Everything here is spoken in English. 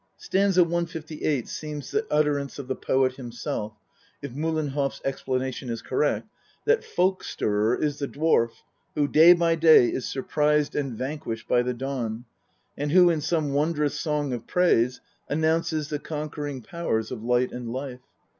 St. 158 seems the utterance of the poet himself, if Mullenhoffs explanation is correct, that Folk stirrer is the dwarf who day by day is surprised and vanquished by the dawn, and who in some wondrous song of praise announces the conquering powers of light and life.